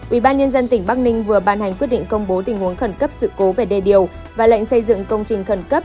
ubnd tỉnh bắc ninh vừa ban hành quyết định công bố tình huống khẩn cấp sự cố về đê điều và lệnh xây dựng công trình khẩn cấp